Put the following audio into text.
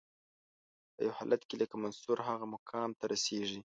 په یو حالت کې لکه منصور هغه مقام ته رسیږي.